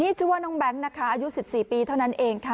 ได้ชื่อว่าน้องแบ็งก์อายุ๑๔ที่เท่านั้นเอง